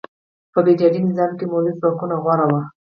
په فیوډالي نظام کې مؤلده ځواکونه غوره وو.